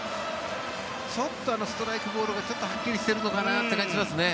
ちょっとストライクボールがはっきりしているのかなという気がしますね。